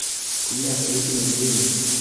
Ku myaka ye cumi nirindwi